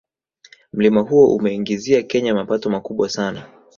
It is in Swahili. Mlima huo umeiingizia kenya mapato makubwa sana